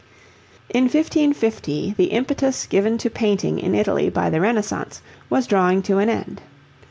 In 1550 the impetus given to painting in Italy by the Renaissance was drawing to an end.